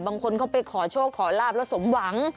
บางคนเขาไปขอโชคขอลาบแล้วสมหวัง